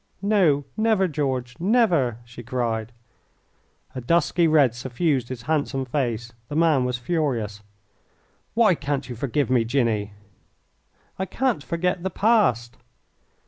"No, never, George, never!" she cried. A dusky red suffused his handsome face. The man was furious. "Why can't you forgive me, Jinny?" "I can't forget the past."